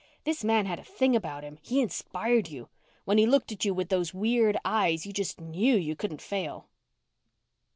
This man had a thing about him. He inspired you. When he looked at you with those weird eyes, you just knew you couldn't fail.